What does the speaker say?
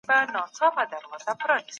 موږ بايد د سياست په اړه د علمي تګلارو خبر سو.